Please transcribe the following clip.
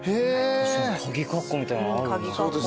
かぎかっこみたいなのある。